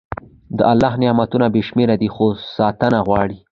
د الله نعمتونه بې شمېره دي، خو ساتنه غواړي.